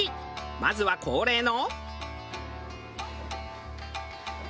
まずは恒例の。